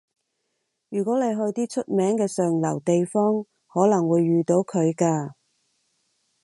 如果你去啲出名嘅上流地方，可能會遇到佢㗎